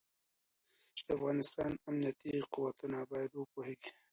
د افغانستان امنيتي قوتونه بايد وپوهېږي.